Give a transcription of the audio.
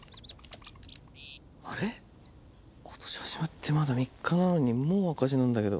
あれっ⁉ことし始まってまだ３日なのにもう赤字なんだけど。